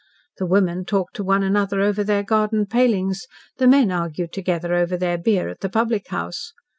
The women talked to one another over their garden palings, the men argued together over their beer at the public house.